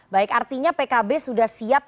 baik artinya pkb sudah siap